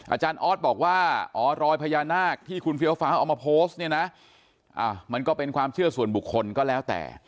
อาจารย์ออสบอกว่าอ๋อรอยพญานาคที่คุณเฟี้ยวฟ้าเอามาโพสต์เนี่ยนะมันก็เป็นความเชื่อส่วนบุคคลก็แล้วแต่